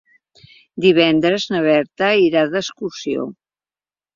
Divendres na Berta irà d'excursió.